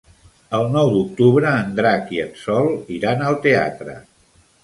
El nou d'octubre en Drac i en Sol iran al teatre.